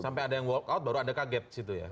sampai ada yang walk out baru anda kaget situ ya